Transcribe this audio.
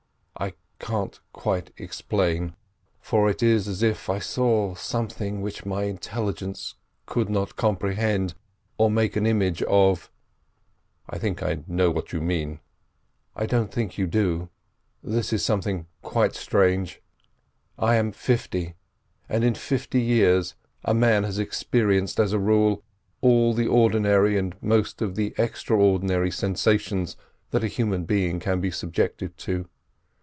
"I can't quite explain, for it is as if I saw something which my intelligence could not comprehend, or make an image of." "I think I know what you mean." "I don't think you do. This is something quite strange. I am fifty, and in fifty years a man has experienced, as a rule, all the ordinary and most of the extraordinary sensations that a human being can be subjected to.